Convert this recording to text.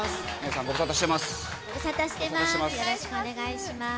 よろしくお願いします。